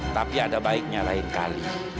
tapi ada baiknya lain kali